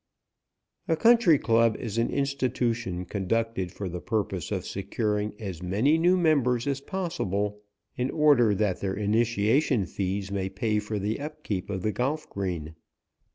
A Country Club is an institution conducted for the purpose of securing as many new members as possible, in order that their initiation fees may pay for the upkeep of the golf green.